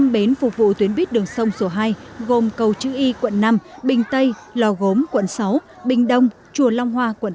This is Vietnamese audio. năm bến phục vụ tuyến buýt đường sông số hai gồm cầu chữ y quận năm bình tây lò gốm quận sáu bình đông chùa long hoa quận tám